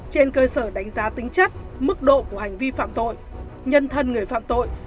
trên cơ sở đánh giá tính chất mức độ của hành vi phạm tội nhân thân người phạm tội